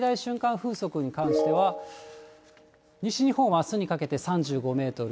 風速に関しては、西日本はあすにかけて３５メートル、